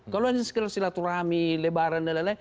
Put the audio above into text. kalau sekedar silaturahmi lebaran dll